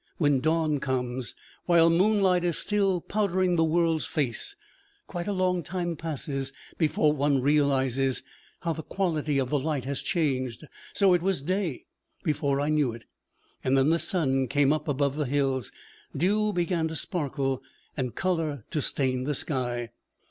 When dawn comes, while moonlight is still powdering the world's face, quite a long time passes before one realizes how the quality of the light has changed; so it was day before I knew it. Then the sun came up above the hills; dew began to sparkle, and color to stain the sky.